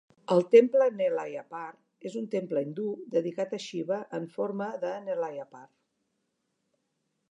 El temple Nellaiappar és un temple hindú dedicat a Shiva en forma de Nellaiappar.